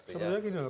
sebenarnya gitu loh